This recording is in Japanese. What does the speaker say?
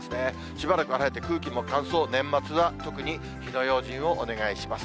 しばらくは晴れて空気も乾燥、年末は特に火の用心をお願いします。